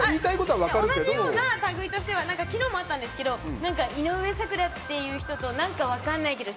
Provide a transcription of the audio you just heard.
同じような類としては昨日もあったんですけど井上咲楽っていう人と何か、分からないけど